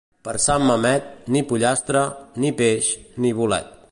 Per Sant Mamet, ni pollastre, ni peix, ni bolet.